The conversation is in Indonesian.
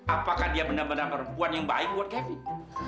apakah dia benar benar perempuan yang baik buat kevin